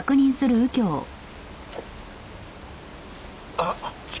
あっ。